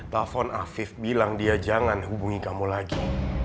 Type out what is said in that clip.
telepon afif bilang dia jangan hubungi kamu lagi